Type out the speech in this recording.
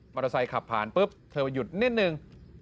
เตอร์ไซค์ขับผ่านปุ๊บเธอหยุดนิดนึง